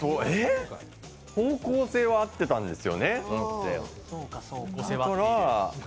方向性は合ってたんですよね。